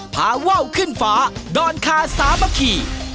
พาว่าวขึ้นฟ้าดอนคาสามัคคี